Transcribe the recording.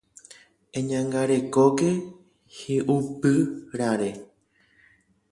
Eñangarekóke hi'upyrãre.